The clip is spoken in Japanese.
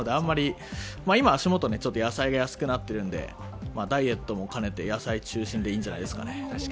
今、足元で野菜が安くなっているので、ダイエットも兼ねて、野菜中心でいいんじゃないですかね。